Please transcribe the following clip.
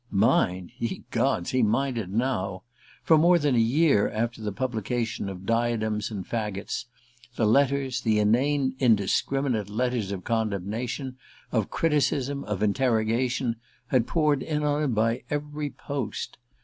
_ Mind?_ Ye gods, he minded now! For more than a year after the publication of "Diadems and Faggots" the letters, the inane indiscriminate letters of condemnation, of criticism, of interrogation, had poured in on him by every post.